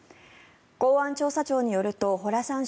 公安調査庁によるとホラサン